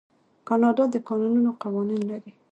کاناډا د کانونو قوانین لري.